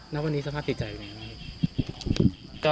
แล้ววันนี้สภาพติดใจอยู่ไหนครับ